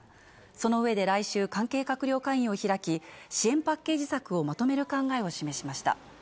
その上で来週、関係閣僚会議を開き、支援パッケージ策をまとめる考えを示しました。